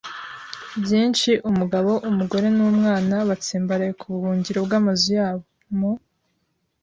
byinshi - umugabo, umugore, n'umwana - batsimbaraye ku buhungiro bw'amazu yabo. mu